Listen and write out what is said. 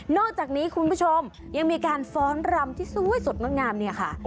อกจากนี้คุณผู้ชมยังมีการฟ้อนรำที่สวยสดงดงามเนี่ยค่ะ